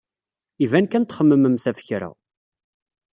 Iban kan txemmememt ɣef kra.